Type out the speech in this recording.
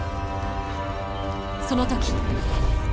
その時。